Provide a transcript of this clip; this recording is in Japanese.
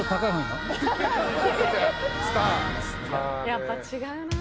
やっぱ違うな。